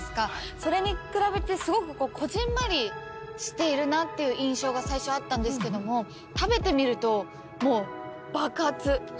それに比べてすごくこぢんまりしているなっていう印象が最初あったんですけどもええー？